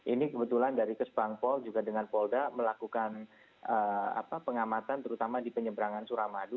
ini kebetulan dari kesbang pol juga dengan polda melakukan pengamatan terutama di penyebrangan suramadu